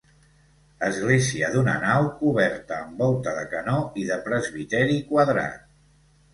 Església d'una nau, coberta amb volta de canó, i de presbiteri quadrat.